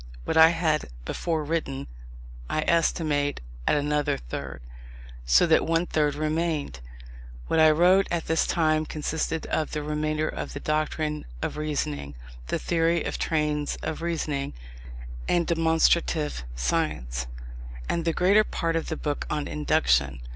What I had before written, I estimate at another third, so that one third remained. What I wrote at this time consisted of the remainder of the doctrine of Reasoning (the theory of Trains of Reasoning, and Demonstrative Science), and the greater part of the Book on Induction.